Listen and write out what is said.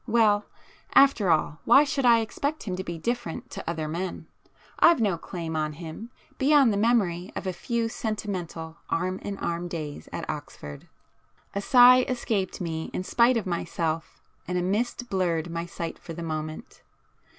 Well,—after all, why should I expect him to be different to other men? I've no claim on him beyond the memory of a few sentimental arm in arm days at Oxford." A sigh escaped me in spite of myself, and a mist blurred my sight for the moment.